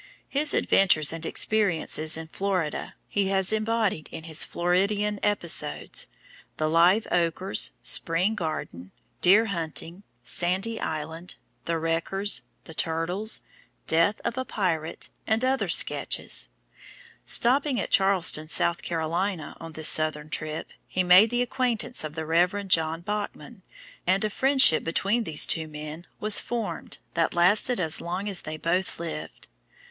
His adventures and experiences in Florida, he has embodied in his Floridian Episodes, "The Live Oakers," "Spring Garden," "Deer Hunting," "Sandy Island," "The Wreckers," "The Turtles," "Death of a Pirate," and other sketches. Stopping at Charleston, South Carolina, on this southern trip, he made the acquaintance of the Reverend John Bachman, and a friendship between these two men was formed that lasted as long as they both lived.